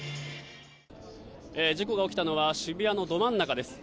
事故が起きたのは渋谷のど真ん中です。